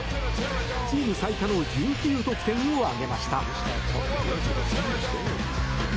チーム最多の１９得点を挙げました。